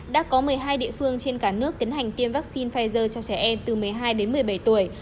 đã có một mươi hai địa phương trên cả nước tiến hành tiêm vaccine pfizer cho trẻ em từ một mươi hai đến một mươi bảy tuổi